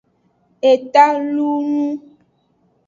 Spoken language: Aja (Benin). Eta lulun.